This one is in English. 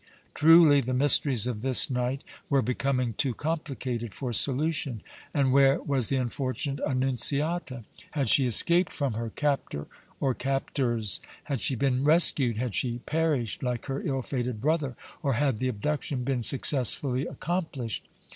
Truly the mysteries of this night were becoming too complicated for solution! And where was the unfortunate Annunziata? Had she escaped from her captor or captors, had she been rescued, had she perished like her ill fated brother, or had the abduction been successfully accomplished?